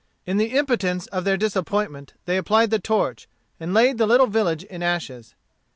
In the impotence of their disappointment they applied the torch, and laid the little village in ashes.